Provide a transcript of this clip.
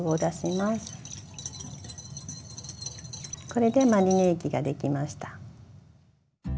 これでマリネ液が出来ました。